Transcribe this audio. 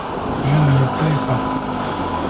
Je ne me plains pas.